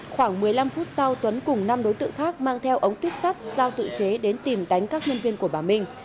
khoảng một mươi năm phút sau tuấn cùng năm đối tượng khác mang theo ống tuyếp sắt giao tự chế đến tìm đánh các nhân viên của bà minh